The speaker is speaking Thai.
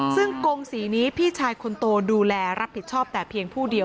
ซึ่งกงศรีนี้พี่ชายคนโตดูแลรับผิดชอบแต่เพียงผู้เดียว